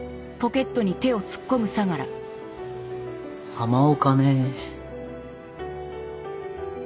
浜岡ね。